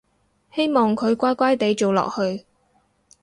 希望佢乖乖哋做落去